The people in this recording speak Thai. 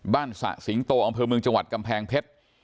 สะสิงโตอำเภอเมืองจังหวัดกำแพงเพชร